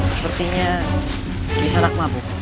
sepertinya kisah rakmah buku